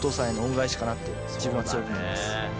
かなって自分は強く思います。